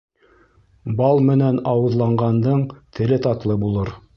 Бал менән ауыҙланғандың, теле татлы булыр.